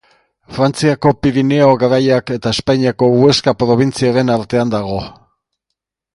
Frantziako Pirinio Garaiak eta Espainiako Huesca probintziaren artean dago.